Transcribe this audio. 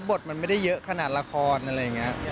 บทมันไม่ได้เยอะขนาดละครอะไรอย่างนี้